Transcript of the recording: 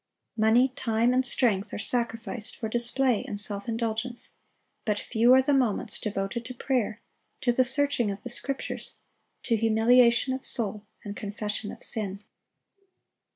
Money, time, and strength are sacrificed for display and self indulgence; but few are the moments devoted to prayer, to the searching of the Scriptures, to humiliation of soul and confession of sin.